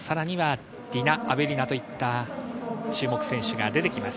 ディナ・アベリナといった注目選手が出てきます。